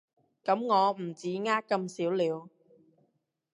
噉我唔止呃咁少了